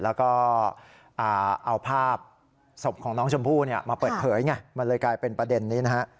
แล้วก็เอาภาพศพของน้องชมพู่มาเปิดเผยไงมันเลยกลายเป็นประเด็นนี้นะฮะ